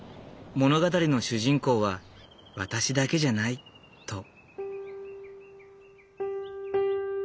「物語の主人公は私だけじゃない」と。